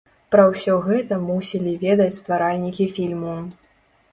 Пра ўсё гэта мусілі ведаць стваральнікі фільму.